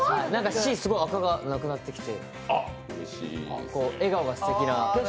Ｃ、すごい垢がなくなってきて笑顔がすてき。